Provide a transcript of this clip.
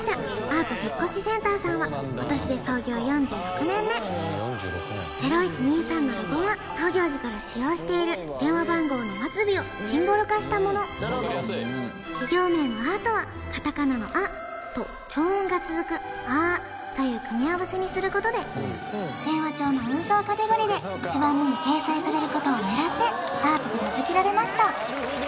アート引越センターさんは今年で創業４６年目０１２３のロゴは創業時から使用している電話番号の末尾をシンボル化したもの企業名のアートはカタカナのアと長音が続くアーという組み合わせにすることで電話帳の運送カテゴリーで一番目に掲載されることを狙ってアートと名付けられました・